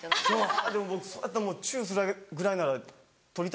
でも僕それやったらチュするぐらいなら撮りたいですもん。